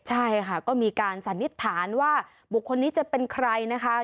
ใช่ค่ะก็มีการสันนิษฐานว่าบุคคลนี้จะเป็นใครนะคะ